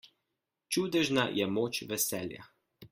Čudežna je moč veselja.